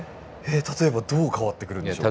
例えばどう変わってくるんでしょうか？